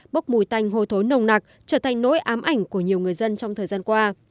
bốc mùi tanh hồi thối nồng nặc trở thành nỗi ám ảnh của nhiều người dân trong thời gian qua